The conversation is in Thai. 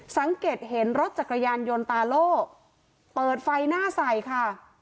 สังเกตเห็นรถจักรยานยนต์ตาโล่เปิดไฟหน้าใส่ค่ะ